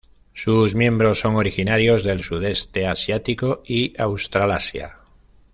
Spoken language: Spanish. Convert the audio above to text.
Sus miembros son originarios del sudeste asiático y Australasia.